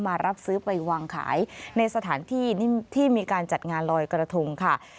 มารับซื้อไปวางขายในสถานที่ที่มีการจัดงานลอยกระทงค่ะ